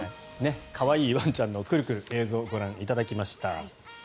可愛いワンちゃんのクルクル映像をご覧いただきました。